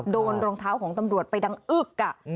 โดนรองเท้าของตำรวจไปดังอึกอ่ะ